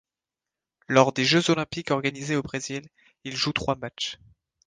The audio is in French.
Lors des Jeux olympiques organisés au Brésil, il joue trois matchs.